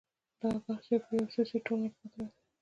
دا بحث په یوه سیاسي ټولنه کې مطرح دی.